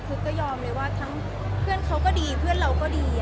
คือก็ยอมเลยว่าทั้งเพื่อนเขาก็ดีเพื่อนเราก็ดี